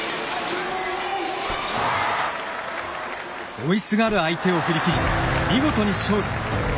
追いすがる相手を振り切り見事に勝利。